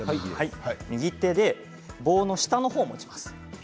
右手で棒の下の方を持ちます。